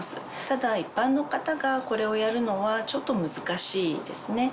ただ一般の方がこれをやるのはちょっと難しいですね。